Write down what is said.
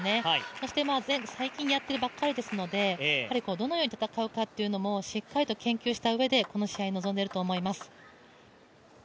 そして最近やったばかりですので、どのように戦うかっていうのもしっかりと研究したうえでこの試合、臨んでいると思います。